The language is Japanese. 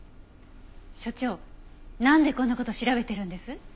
所長なんでこんな事調べてるんです？